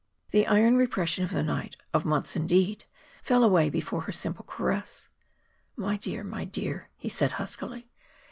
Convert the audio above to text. The iron repression of the night, of months indeed, fell away before her simple caress. "My dear, my dear," he said huskily.